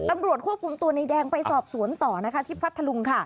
ตำรวจควบคุมตัวในแดงไปสอบสวนต่อนะคะที่พัทธลุงค่ะ